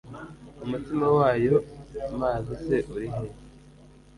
Umutsima wayo mazi se uri he